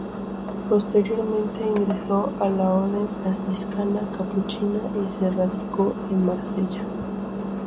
Posteriormente, ingresó a la Orden Franciscana capuchina y se radicó en Marsella.